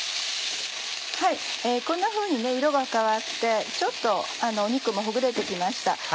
こんなふうに色が変わってちょっと肉もほぐれて来ました。